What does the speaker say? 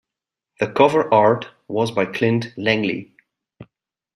The cover art was by Clint Langley.